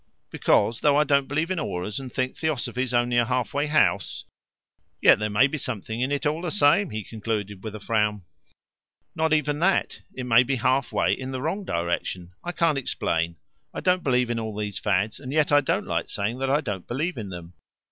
Because, though I don't believe in auras, and think Theosophy's only a halfway house "" Yet there may be something in it all the same," he concluded, with a frown. "Not even that. It may be halfway in the wrong direction. I can't explain. I don't believe in all these fads, and yet I don't like saying that I don't believe in them."